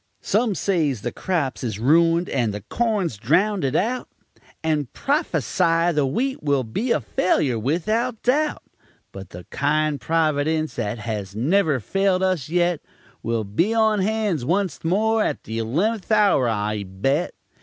Some says the crops is ruined, and the corn's drownded out, And propha sy the wheat will be a failure, without doubt; But the kind Providence that has never failed us yet, Will be on hands onc't more at the 'leventh hour, I bet!